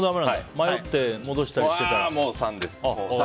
迷って戻したりしてたら。